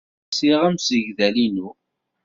Lsiɣ amsegdal-inu.